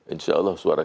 insya allah suara